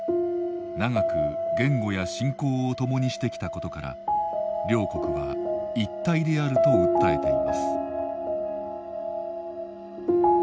長く言語や信仰をともにしてきたことから両国は一体であると訴えています。